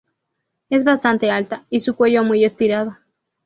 Es bastante alta, y su cuello muy estirado.